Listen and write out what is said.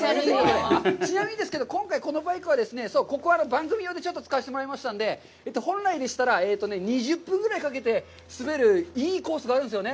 ちなみにですけど、今回このバイクは、ここは番組用でちょっと使わせてもらいましたので、本来でしたら、２０分ぐらいかけて滑るいいコースがあるんですよね。